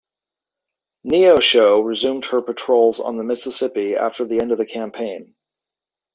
"Neosho" resumed her patrols on the Mississippi after the end of the campaign.